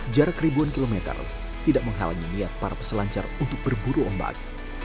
jarak ribuan kilometer tidak menghalangi niat para peselancar untuk berburu ombak